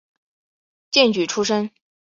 荐举出身。